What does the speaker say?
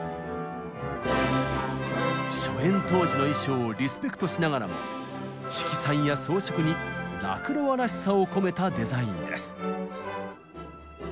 初演当時の衣装をリスペクトしながらも色彩や装飾にラクロワらしさを込めたデザインです。